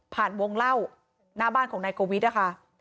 วงเล่าหน้าบ้านของนายกวิทย์นะคะ